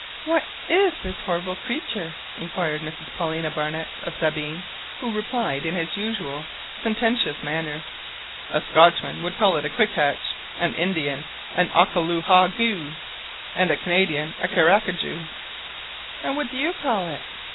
"What is this horrid creature?" inquired Mrs Paulina Barnett of Sabine, who replied in his usual sententious manner— "A Scotchman would call it a 'quick hatch,' an Indian an 'okelcoo haw gew,' and a Canadian a 'carcajou."' "And what do you call it?"